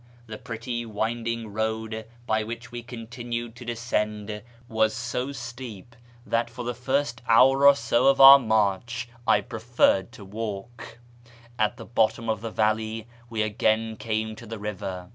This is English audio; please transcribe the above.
The pretty wind ing road by which w^e continued to descend was so steep that 56o .1 YEAR AMONGST THE PERSIANS for the first hour or so of our march I preferred tn walk. At the huttoni of the valley we again came to the river.